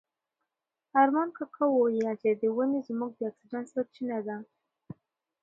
ارمان کاکا وویل چې ونې زموږ د اکسیجن سرچینه ده.